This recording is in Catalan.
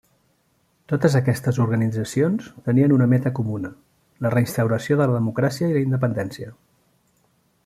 Totes aquestes organitzacions tenien una meta comuna: la re-instauració de la democràcia i la independència.